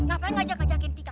ngapain ngajakin ngajakin tika